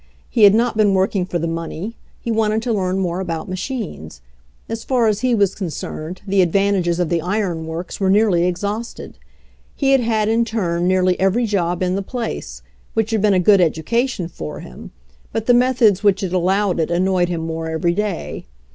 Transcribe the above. He had not been working for the money ; he wanted to learn more about machines. As far as he was con cerned, the advantages of the iron works were nearly exhausted. , He had had in turn nearly every job in the place, which had been a good education for him, but the methods which had allowed it annoyed him more every day.